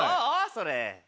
それ。